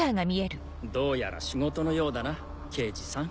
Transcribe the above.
どうやら仕事のようだな刑事さん。